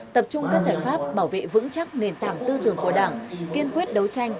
tập trung các giải pháp bảo vệ vững chắc nền tảng tư tưởng của đảng kiên quyết đấu tranh